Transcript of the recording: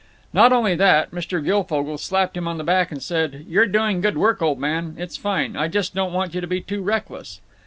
] Not only that. Mr. Guilfogle slapped him on the back and said: "You're doing good work, old man. It's fine. I just don't want you to be too reckless."